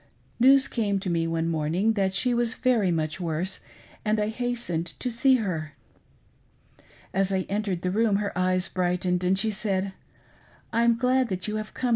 News came to me one morning that she was very much worse, and I hastened to see her. As I entered the room, her eyes brightened, and she said :" I'm glad that you have come.